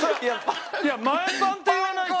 いや前パンって言わないと。